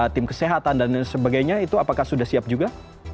tim kesehatan dan lain sebagainya itu apakah sudah siap juga